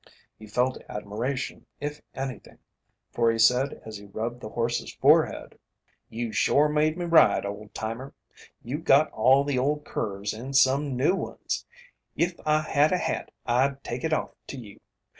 He felt admiration, if anything, for he said as he rubbed the horse's forehead: "You shore made me ride, Old Timer! You got all the old curves and some new ones. If I had a hat I'd take it off to you.